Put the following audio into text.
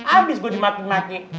abis gue dimaki maki